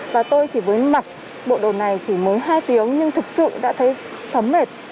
và tôi chỉ với mặc bộ đồ này chỉ mới hai tiếng nhưng thực sự đã thấy thấm mệt